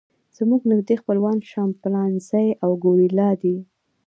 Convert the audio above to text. زموږ نږدې خپلوان شامپانزي او ګوریلا دي.